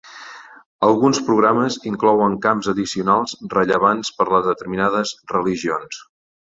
Alguns programes inclouen camps addicionals rellevants per a determinades religions.